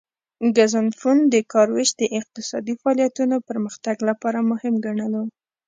ګزنفون د کار ویش د اقتصادي فعالیتونو پرمختګ لپاره مهم ګڼلو